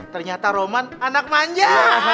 ternyata roman anak manja